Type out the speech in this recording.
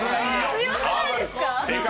強くないですか？